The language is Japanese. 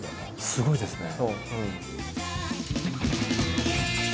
すごいですね。